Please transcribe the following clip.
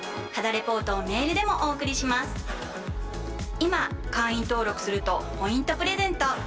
今会員登録するとポイントプレゼント！